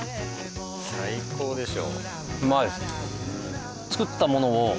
最高でしょ。